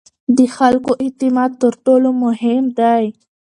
د خلکو اعتماد تر ټولو مهم دی